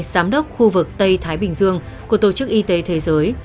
giám đốc khu vực tây thái bình dương của tổ chức y tế thế giới